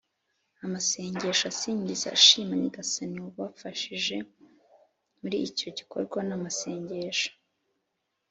amasengesho asingiza, ashima nyagasani wabafashije muri icyo gikorwa n’amasengesho